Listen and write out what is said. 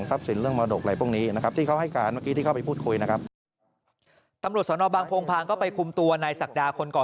ตำรวจสนบางพงภังก็ไปคุมตัวในศักดาคนก่อเหตุ